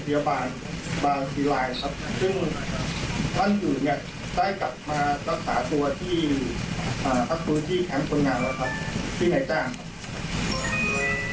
เสียงเตือนนี่เป็นเสียงเตือนที่แห้งว่ามีการอุดสะโหลดเข้ามากับอิสราเอล